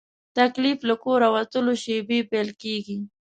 تکلیف له کوره وتلو شېبې پیل کېږي.